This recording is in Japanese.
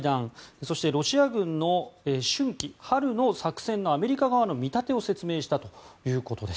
そしてロシア軍の春季春の作戦のアメリカ側の見立てを説明したということです。